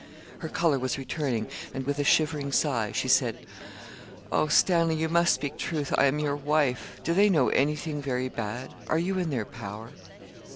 Her colour was returning, and with a shivering sigh, she said 'Oh? Stanley, you must speak truth; I am your wife. Do they know anything very bad are you in their power?'